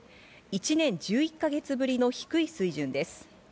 １年１１か月ぶりの低い水準です。